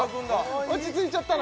落ち着いちゃったの？